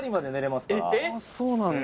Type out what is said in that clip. あっそうなんだ